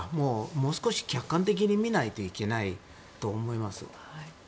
もう少し客観的に見ないといけないと思います。